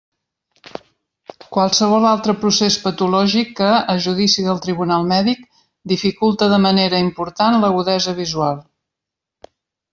Qualsevol altre procés patològic que, a judici del tribunal mèdic, dificulte de manera important l'agudesa visual.